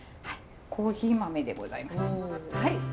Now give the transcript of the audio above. コーヒー豆でございます。